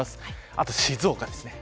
あと静岡ですね。